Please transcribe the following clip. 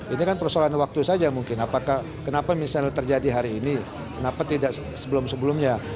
ini kan persoalan waktu saja mungkin apakah kenapa misalnya terjadi hari ini kenapa tidak sebelum sebelumnya